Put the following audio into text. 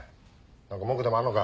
何か文句でもあんのか？